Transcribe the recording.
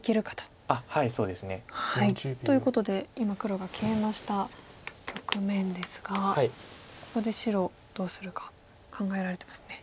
そうですね。ということで今黒がケイマした局面ですがここで白どうするか考えられてますね。